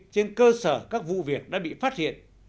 trên cơ sở các vụ việc đã bị phát hiện